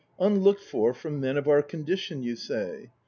Unlooked for from men of our condition, you say!